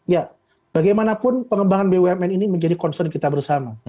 ya bagaimanapun pengembangan bumn ini menjadi concern kita bersama